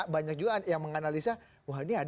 banyak juga yang menganalisa